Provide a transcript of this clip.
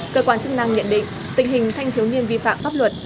cơ quan chức năng nhận định tình hình thanh thiếu niên vi phạm pháp luật